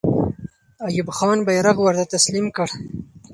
ایوب خان بیرغ ورته تسلیم کړ.